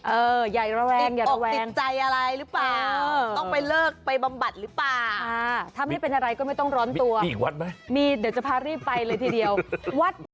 เอออย่าระแวงอย่าระแวงติดใจอะไรหรือเปล่าต้องไปเลิกไปบำบัดหรือเปล่าถ้าไม่เป็นอะไรก็ไม่ต้องร้อนตัวมีอีกวัดไหมมีเดี๋ยวจะพารีไปเลยทีเดียววัด